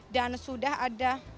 dan sudah ada